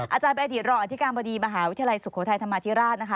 อาจารย์แบบอัดีตรรองอธิกรรมบดีมหาวิทยาลัยสุขโครไทยธรรมาธิราช